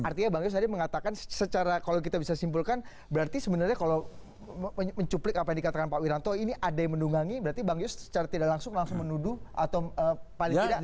artinya bang yos tadi mengatakan secara kalau kita bisa simpulkan berarti sebenarnya kalau mencuplik apa yang dikatakan pak wiranto ini ada yang mendungangi berarti bang yus secara tidak langsung langsung menuduh atau paling tidak